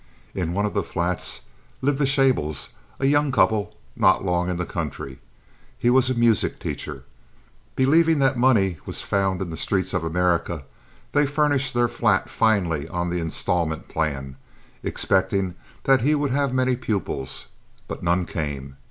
In one of the flats lived the Schaibles, a young couple not long in the country. He was a music teacher. Believing that money was found in the streets of America, they furnished their flat finely on the installment plan, expecting that he would have many pupils, but none came.